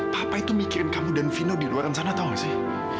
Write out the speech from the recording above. papa itu mikirin kamu dan vino di luar sana tahu nggak sih